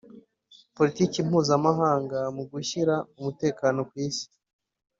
Politiki mpuzamangana mu gushyira umukekano ku isi